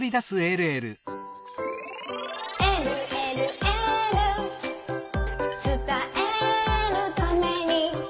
「えるえるエール」「つたえるために」